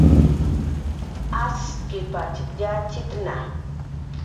Askkipatx yatxitna